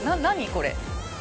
これ。